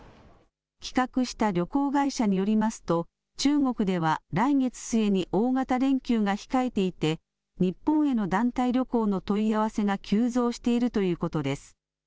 企画した旅行会社によりますと、中国では来月末に大型連休が控えていて、日本への団体旅行の問い合わせが急増しているということです。